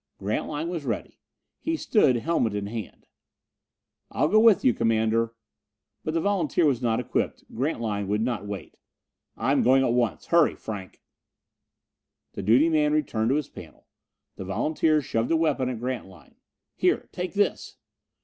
Grantline was ready. He stood, helmet in hand. "I'll go with you, Commander." But the volunteer was not equipped. Grantline would not wait. "I'm going at once. Hurry, Franck." The duty man turned to his panel. The volunteer shoved a weapon at Grantline. "Here, take this."